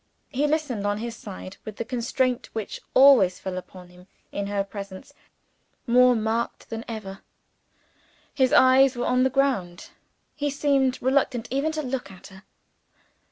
He listened, on his side, with the constraint which always fell upon him in her presence more marked than ever. His eyes were on the ground. He seemed reluctant even to look at her.